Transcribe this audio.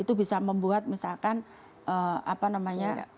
itu bisa membuat misalkan apa namanya